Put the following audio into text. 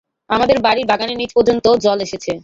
আমাদের বাড়ির বাগানের নীচে পর্যন্ত জল এসেছে।